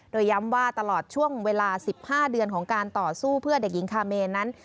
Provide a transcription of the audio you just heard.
โดยย้ำว่าตลอดช่วงเวลา๑๕เดือนของการต่อสู้เพื่อเด็กหญิงคาเมนนั้น